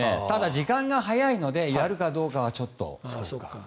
ただ、時間が早いのでやるかどうかはちょっと。